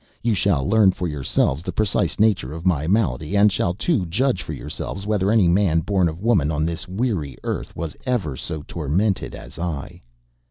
You shall learn for yourselves the precise nature of my malady; and shall, too, judge for yourselves whether any man born of woman on this weary earth was ever so tormented as I.